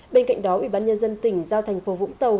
bên cạnh đó ủy ban nhân dân tỉnh giao thành phố vũng tàu